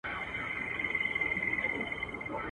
ويل زه يوه مورکۍ لرم پاتيږي.